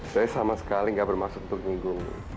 saya sama sekali gak bermaksud untuk minggu